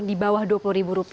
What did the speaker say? di bawah rp dua puluh